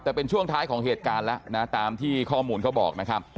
แต่เป็นช่วงท้ายของเหตุการณ์แล้วนะตามที่ข้อมูลเขาบอกนะครับ